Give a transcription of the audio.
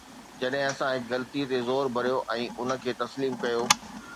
جڏهن اسان هڪ غلطي تي زور ڀريو ۽ ان کي تسليم ڪيو.